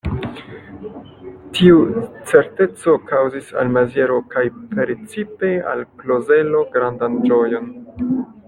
Tiu certeco kaŭzis al Maziero kaj precipe al Klozelo grandan ĝojon.